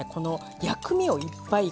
薬味をいっぱい。